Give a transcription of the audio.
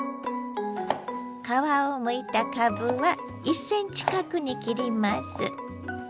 皮をむいたかぶは１ｃｍ角に切ります。